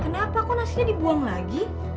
kenapa kok nasinya dibuang lagi